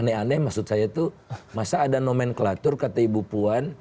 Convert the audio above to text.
aneh aneh maksud saya itu masa ada nomenklatur kata ibu puan